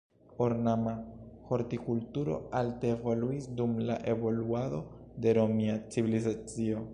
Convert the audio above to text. Ornama hortikulturo alte evoluis dum la evoluado de romia civilizacio.